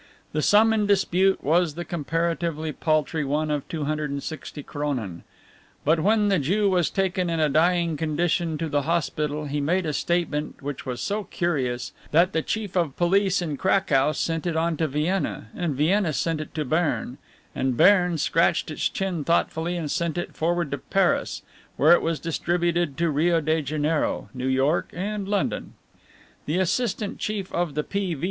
The sum in dispute was the comparatively paltry one of 260 Kronen, but when the Jew was taken in a dying condition to the hospital he made a statement which was so curious that the Chief of Police in Cracow sent it on to Vienna and Vienna sent it to Berne and Berne scratched its chin thoughtfully and sent it forward to Paris, where it was distributed to Rio de Janeiro, New York, and London. The Assistant Chief of the P.V.